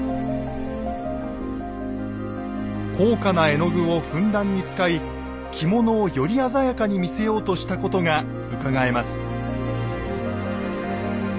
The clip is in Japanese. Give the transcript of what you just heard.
高価な絵の具をふんだんに使い着物をより鮮やかに見せようとしたことがうかがえます。